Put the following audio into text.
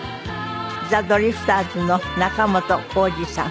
ザ・ドリフターズの仲本工事さん。